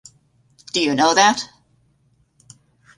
Do you know that?